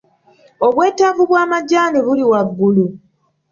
Obwetaavu bw'amajaani buli waggulu.